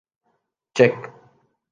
check